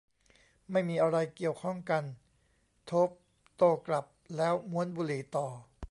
ไม่มีอะไรเกี่ยวข้องกัน โทปป์โต้กลับ แล้วม้วนบุหรี่ต่อ